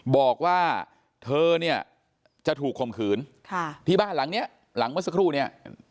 บอกว่าเธอเนี่ยจะถูกข่มขืนที่บ้านหลังเนี้ยหลังเมื่อสักครู่เนี่ย